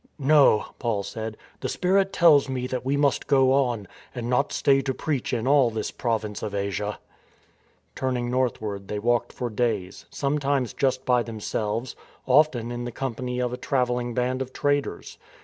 *' No," Paul said, " the Spirit tells me that we must WESTWARD HO! 1T9 go on and not stay to preach in all this Province of Asia." Turning northward they walked for days, sometimes just by themselves, often in the company of a travel ling band of traders.